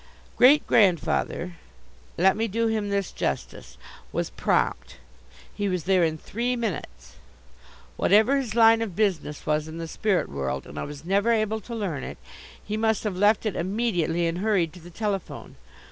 Great grandfather let me do him this justice was prompt. He was there in three minutes. Whatever his line of business was in the spirit world and I was never able to learn it he must have left it immediately and hurried to the telephone.